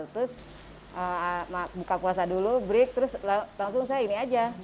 terus buka puasa dulu break terus langsung saya ini aja